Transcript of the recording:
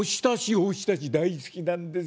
「お浸し大好きなんです。